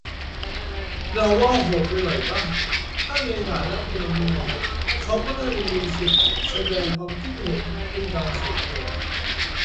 เราว่าโหดไปหน่อยป่ะ ถ้าในฐานะพลเมือง เขาก็น่าจะมีสิทธิแสดงความคิดเห็นเป็นการส่วนตัว